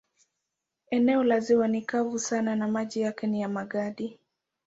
Eneo la ziwa ni kavu sana na maji yake ni ya magadi.